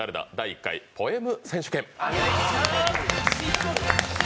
１回ポエム選手権。